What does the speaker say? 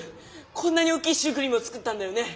こんなに大きいシュークリームを作ったんだよね。